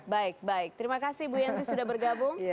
baik baik terima kasih bu yanti sudah bergabung